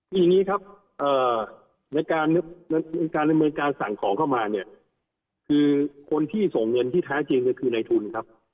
ทีนี้ครับในการสั่งของเข้ามาเนี่ยคือคนที่ส่งเงินที่ท้ายจริงก็คือนายทุนครับ